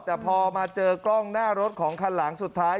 แต่พอมาเจอกล้องหน้ารถของคันหลังสุดท้าย